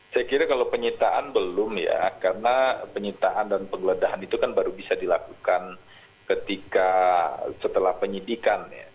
saya kira kalau penyitaan belum ya karena penyitaan dan penggeledahan itu kan baru bisa dilakukan ketika setelah penyidikan ya